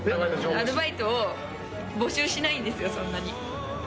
アルバイトを募集しないんですよ、そんなに。